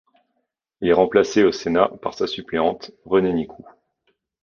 Il est remplacé au Sénat par sa suppléante, Renée Nicoux.